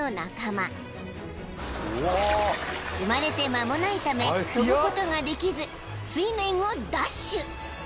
［生まれて間もないため飛ぶことができず水面をダッシュ］